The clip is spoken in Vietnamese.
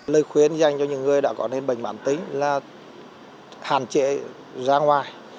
lời khuyên dành cho những người đã có nền bệnh mạng tính là hạn chế ra ngoài